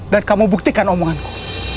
dan kamu buktikan omonganku